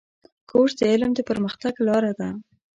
کورس د علم د پرمختګ لاره ده.